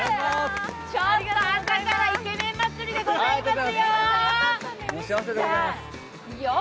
ちょっと、朝からイケメン祭りでございますよ。